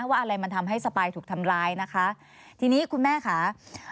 ว่าอะไรมันทำให้สปายถูกทำร้ายนะคะทีนี้คุณแม่ค่ะ